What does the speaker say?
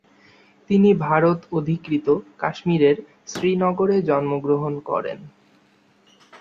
তিনি ভারত অধিকৃত কাশ্মীরের শ্রীনগরে জন্মগ্রহণ করেন।